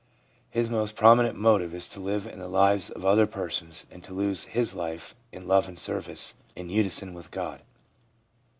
His most prominent motive is to live in the lives of other persons, and to lose his life in love and service, in unison with God.